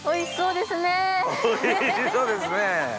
おいしそうですね。